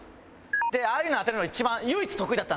ああいうの当てるの一番唯一得意だったんですよ。